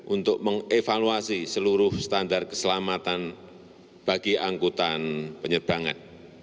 untuk mengevaluasi seluruh standar keselamatan bagi angkutan penyerbangan